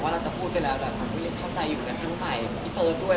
มาช่วยตานีพี่เฟิร์ดด้วยนะ